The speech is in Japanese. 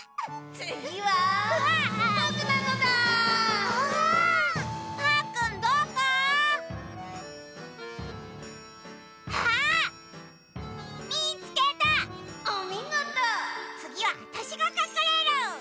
つぎはわたしがかくれる！